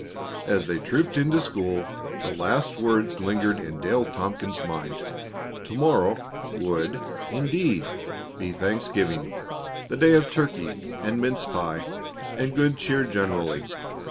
As they trooped into school, the last words lingered in Dale Tompkins's mind. To morrow would, indeed, be Thanksgiving the day of turkey, and mince pie, and good cheer generally.